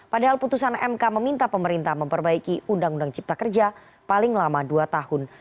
padahal putusan mk meminta pemerintah memperbaiki undang undang cipta kerja paling lama dua tahun